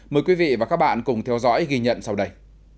mời quý vị và các bạn cùng theo dõi ghi nhận sau đây